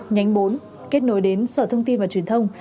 nhánh bốn kết nối đến sở thông tin và truyền thông